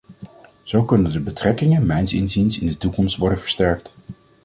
Zo kunnen de betrekkingen mijns inziens in de toekomst worden versterkt.